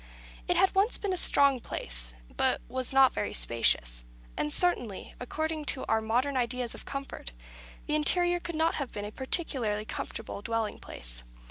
It had once been a strong place, but was not very spacious; and certainly, according to our modern ideas of comfort, the interior could not have been a particularly comfortable dwelling place.